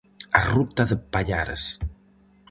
A ruta de Pallares.